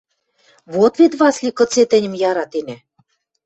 – Вот вет, Васли, кыце тӹньӹм яратенӓ.